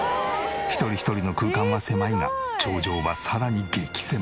一人一人の空間は狭いが頂上はさらに激狭！